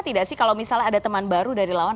tidak sih kalau misalnya ada teman baru dari lawan